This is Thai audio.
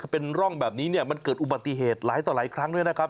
เป็นร่องแบบนี้เนี่ยมันเกิดอุบัติเหตุหลายต่อหลายครั้งด้วยนะครับ